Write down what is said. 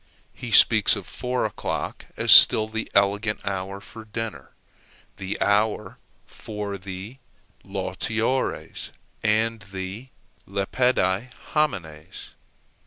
He speaks of four o'clock as still the elegant hour for dinner the hour for the lautiores and the lepidi homines.